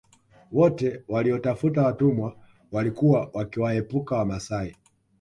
Wote waliotafuta watumwa walikuwa wakiwaepuka Wamasai